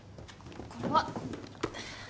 これは。